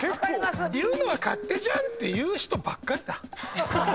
言うのは勝手じゃん！っていう人ばっかりだ。